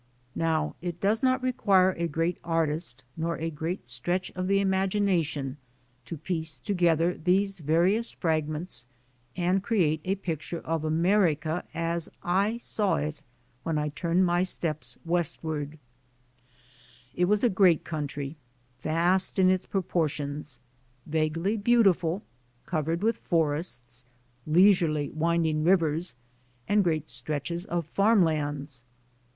Now it does not require a great artist nor a great stretch of the imagination to piece together these various fragments and create a picture of America as I saw it when I turned my steps west ward; it was a great country, vast in its propor tions, vaguely beautiful, covered with forests, leis urely winding rivers and great stretches of farm lands.